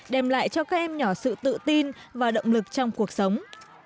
đem lại cho các em nhỏ sự tự tin và động lực trong cuộc sống